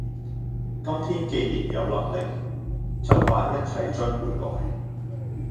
今天既然有能力，就把一切追回來！